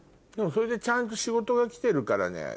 でもそれでちゃんと仕事が来てるからね。